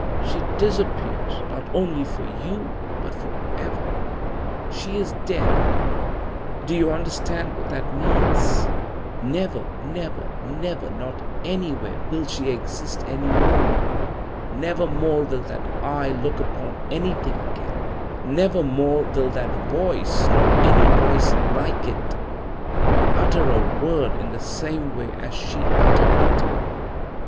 She disappears, not only for you, but forever. She is dead. Do you understand what that means? Never, never, never, not anywhere will she exist any more. Nevermore will that eye look upon anything again; nevermore will that voice, nor any voice like it, utter a word in the same way as she uttered it.